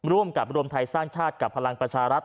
ร่วมกับรวมไทยสร้างชาติกับพลังประชารัฐ